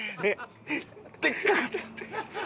でっかかった！